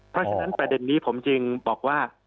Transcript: เพราะฉะนั้นประเด็นนี้ผมจึงบอกว่า